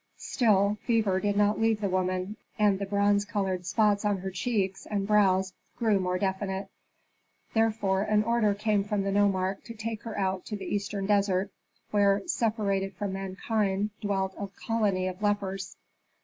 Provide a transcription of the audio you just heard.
Still, fever did not leave the woman, and the bronze colored spots on her cheeks and brows grew more definite. Therefore an order came from the nomarch to take her out to the eastern desert, where, separated from mankind, dwelt a colony of lepers.